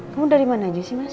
kamu dari mana aja sih mas